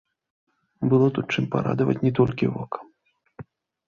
Было тут чым парадаваць не толькі вока.